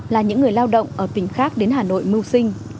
là những người lao động ở tỉnh khác đến hà nội mưu sinh